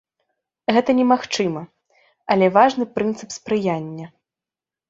Гэта немагчыма, але важны прынцып спрыяння.